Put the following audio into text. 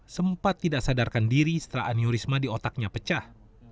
sempat tidak sadarkan diri setelah aniorisma di otaknya pecah